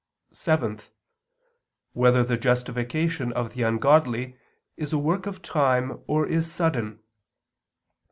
(7) Whether the justification of the ungodly is a work of time or is sudden?